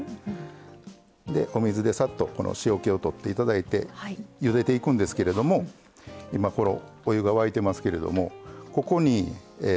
でお水でさっとこの塩気を取っていただいてゆでていくんですけれども今このお湯が沸いてますけれどもここにお塩。